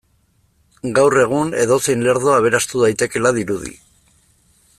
Gaur egun edozein lerdo aberastu daitekeela dirudi.